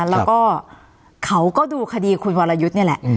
แล้วก็เขาก็ดูคดีคุณวรยุทธ์นี่แหละ